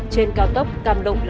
trên cao tốc cam lộ la sơn